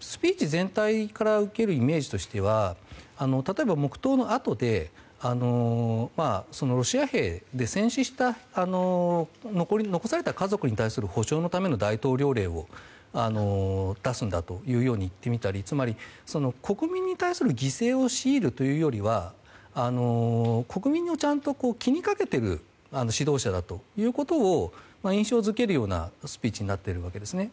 スピーチ全体から受けるイメージとしては例えば、黙祷のあとでロシア兵戦死した、残された家族に対する補償のための大統領令を出すんだというように言ってみたりつまり、国民に対する犠牲を強いるというよりは国民をちゃんと気にかけている指導者だということを印象付けるようなスピーチになっているわけですね。